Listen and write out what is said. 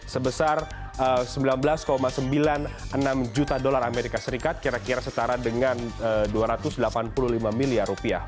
sebesar sembilan belas sembilan puluh enam juta dolar amerika serikat kira kira setara dengan dua ratus delapan puluh lima miliar rupiah